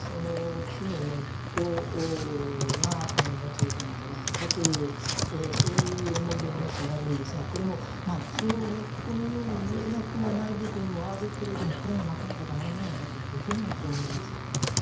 木の根っこがモチーフなんじゃないかというそういう思い出話もあるんですがこれも木の根っこのように見えなくもない部分もあるけれどもこれもなかなか断言はやっぱりできないと思います。